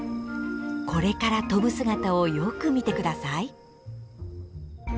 これから飛ぶ姿をよく見て下さい。